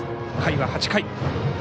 回は８回。